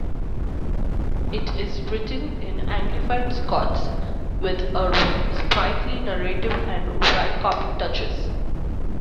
It is written in anglified Scots, with a sprightly narrative and wry comic touches.